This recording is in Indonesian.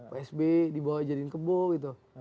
pak sby dibawa jadi kebo gitu